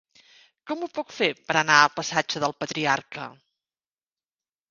Com ho puc fer per anar al passatge del Patriarca?